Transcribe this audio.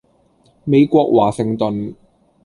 美國華盛頓